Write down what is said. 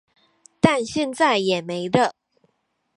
但現在也沒了